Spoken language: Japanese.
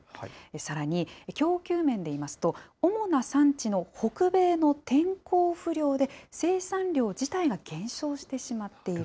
さらに供給面でいいますと、主な産地の北米の天候不良で、生産量自体が減少してしまっている。